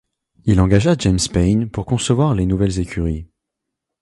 Il engagea James Paine pour concevoir les nouvelles écuries.